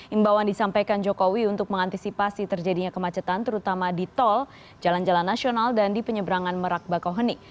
imbauan disampaikan jokowi untuk mengantisipasi terjadinya kemacetan terutama di tol jalan jalan nasional dan di penyeberangan merak bakauheni